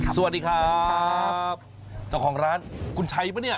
สวัสดีครับเจ้าของร้านคุณชัยปะเนี่ย